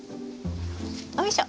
よいしょ。